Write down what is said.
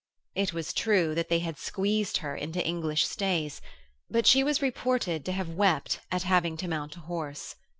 It was true that they had squeezed her into English stays, but she was reported to have wept at having to mount a horse.